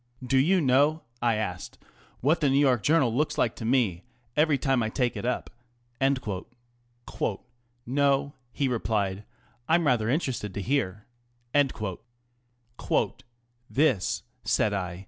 Do you know," I asked, " what the New York Journal looks like to me every time I take it up ?"" No," he replied. " I'm rather interested to hear." " This," said I.